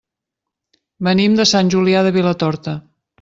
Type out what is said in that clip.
Venim de Sant Julià de Vilatorta.